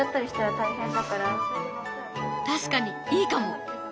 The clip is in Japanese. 確かにいいかも！